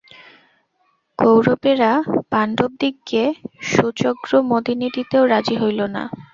কৌরবেরা পাণ্ডবদিগকে সূচ্যগ্র মেদিনী দিতেও রাজী হইল না।